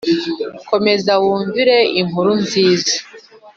komeza wumvire inkuru nziza